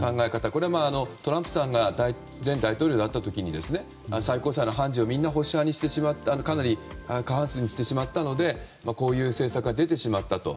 これもトランプさんが前大統領だった時に最高裁の判事をみんな保守派にしてしまったかなり過半数にしてしまったのでこういう政策が出てしまったと。